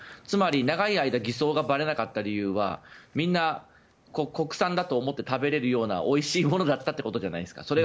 つまり長い間偽装がばれなかった理由はみんな国産だと思って食べれるようなおいしいものだったということじゃないですか。